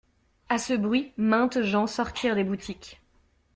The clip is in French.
A ce bruit, maintes gens sortirent des boutiques.